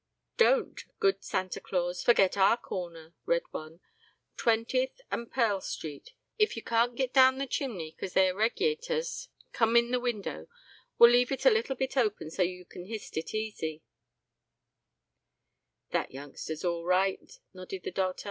"Don't, good Santa Claus, forget our corner," read one, "_20uth and Purl street, if you can't git down the chimney cause they are reggyters come in the window, we'll leave it a little bit open so you can hist it easy_. "BOB." "That youngster's all right," nodded the doctor.